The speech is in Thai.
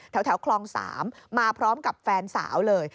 แถวคลอง๓มาพร้อมกับแฟนสาวเลย